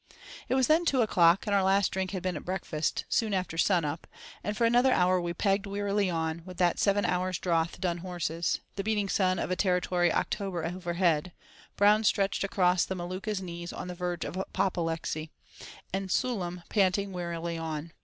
It was then two o'clock, and our last drink had been at breakfast—soon after sun up; and for another hour we pegged wearily on, with that seven hours' drouth done horses, the beating sun of a Territory October overhead, Brown stretched across the Maluka's knees on the verge of apoplexy, and Sool'em panting wearily on.